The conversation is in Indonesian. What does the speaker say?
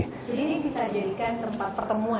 jadi ini bisa dijadikan tempat pertemuan dulunya pak